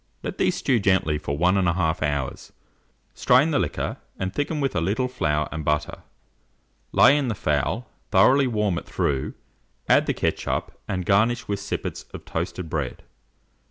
Let these stew gently for 1 1/2 hour, strain the liquor, and thicken with a little flour and butter. Lay in the fowl, thoroughly warm it through, add the ketchup, and garnish with sippets of toasted bread.